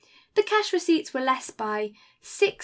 The cash receipts were less by $690,322.